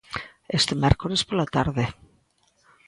Este mércores pola tarde.